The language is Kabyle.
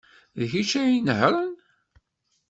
D kečč ay inehhṛen.